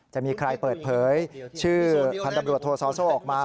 จะมีใครเปิดเผยชื่อพันธบรวจโทซอโซ่ออกมา